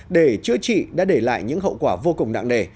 để chữa trị đã để lại những hậu quả vô cùng nặng nề